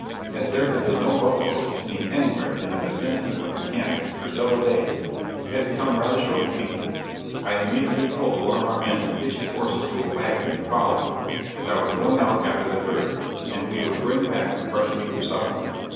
As there had been no buffaloes seen anywhere in the vicinity of the camp for several days, we had become rather short of meat. I immediately told one of our men to hitch his horses to a wagon and follow me, as I was going out after the herd, and we would bring back some fresh meat for supper.